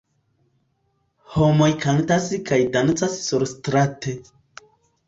Homoj kantas kaj dancas surstrate.